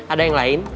ada yang lain